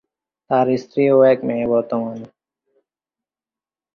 তার স্ত্রী ও এক মেয়ে বর্তমান।